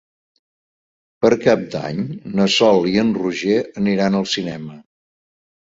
Per Cap d'Any na Sol i en Roger aniran al cinema.